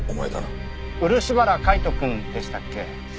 漆原海斗くんでしたっけ。